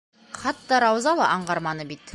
Хатта Рауза ла аңғарманы бит.